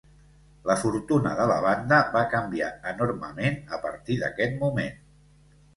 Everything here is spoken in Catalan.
La fortuna de la banda va canviar enormement a partir d'aquest moment.